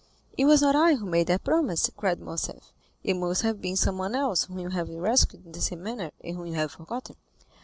"It was not I who made that promise," cried Morcerf; "it must have been someone else whom you have rescued in the same manner, and whom you have forgotten.